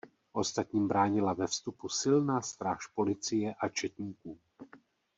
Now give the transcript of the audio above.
Ostatním bránila ve vstupu silná stráž policie a četníků.